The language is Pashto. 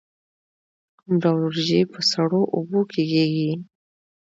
کوم ډول وریجې په سړو اوبو کې کیږي؟